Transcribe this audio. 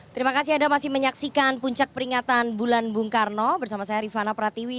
terima kasih anda masih menyaksikan puncak peringatan bulan bung karno bersama saya rifana pratiwi